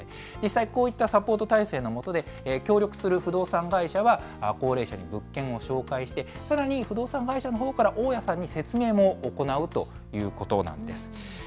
実際、こういったサポート体制のもとで、協力する不動産会社は高齢者に物件を紹介して、さらに、不動産会社のほうから、大家さんに説明も行うということなんです。